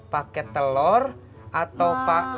pakai telor atau pak